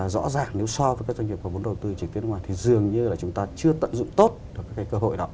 rõ ràng nếu so với các doanh nghiệp của wto trực tiếp nước ngoài thì dường như là chúng ta chưa tận dụng tốt được cái cơ hội đó